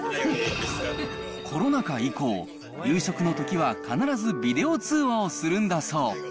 コロナ禍以降、夕食のときは必ずビデオ通話をするんだそう。